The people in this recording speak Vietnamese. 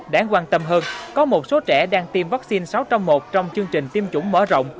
đáng quan tâm hơn có một số trẻ đang tiêm vaccine sáu trong một trong chương trình tiêm chủng mở rộng